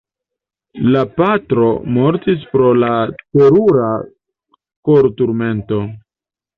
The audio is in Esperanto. La patro mortis pro la terura korturmento.